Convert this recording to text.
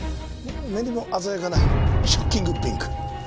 目にも鮮やかなショッキングピンク。